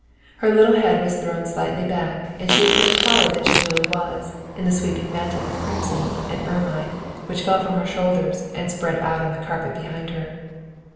Her little head was thrown slightly back and she appeared taller than she really was in the sweeping mantle of crimson and ermine which fell from her shoulders and spread out on the carpet behind her.